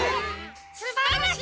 すばらしい！